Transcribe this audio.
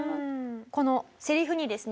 このセリフにですね